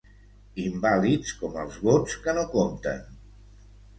Invàlids com els vots que no compten.